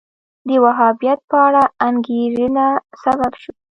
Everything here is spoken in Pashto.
د وهابیت په اړه انګېرنه سبب شو